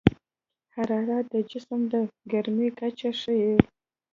حرارت د جسم د ګرمۍ کچه ښيي.